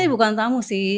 saya bukan tamu sih